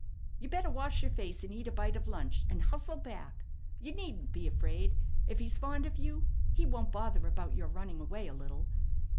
You better wash your face, and eat a bite of lunch, and hustle back. You needn't be afraid. If he's fond of you, he won't bother about your running away a little.